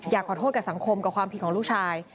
ขอโทษกับสังคมกับความผิดของลูกชาย